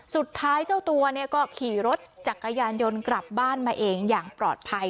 เจ้าตัวก็ขี่รถจักรยานยนต์กลับบ้านมาเองอย่างปลอดภัย